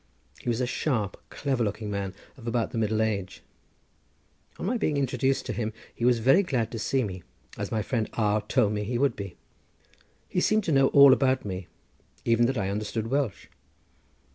He was a sharp, clever looking man, of about the middle age. On my being introduced to him, he was very glad to see me, as my friend R— told me he would be. He seemed to know all about me, even that I understood Welsh.